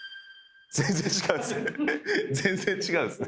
全然違うんすね